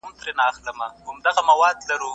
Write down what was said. زه بايد کتابونه ولولم